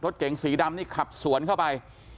เก๋งสีดำนี่ขับสวนเข้าไป